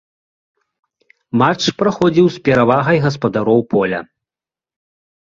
Матч праходзіў з перавагай гаспадароў поля.